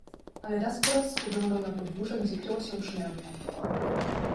Ale raz po raz spoglądał na podwórze, gdzie kryła się przynęta.